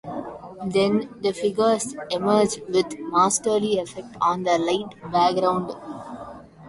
Then the figures emerge with masterly effect on the light background.